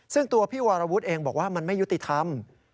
ซึ่งตัวพี่วรวุฒิเองบอกว่ามันไม่ยุติธรรม